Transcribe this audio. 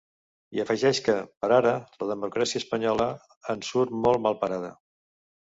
I afegeix que, per ara, la democràcia espanyola ‘en surt molt malparada’.